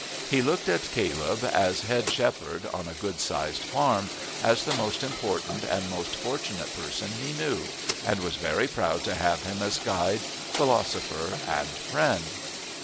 He looked on Caleb, as head shepherd on a good sized farm, as the most important and most fortunate person he knew, and was very proud to have him as guide, philosopher, and friend.